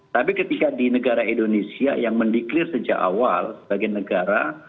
tapi ketika di negara indonesia yang mendeklir sejak awal sebagai negara